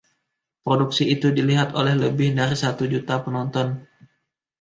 Produksi itu dilihat oleh lebih dari satu juta penonton.